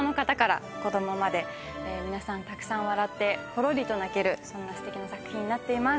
大人の方から子供まで、皆さんたくさん笑って、ほろりと泣ける、そんなステキな作品になっています。